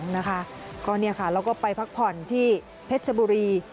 แล้วก็ไปพักผ่อนที่เพชรบุรี